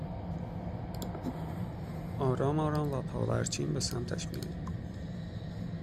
آرام آرام و پاورچین به سمتش می آید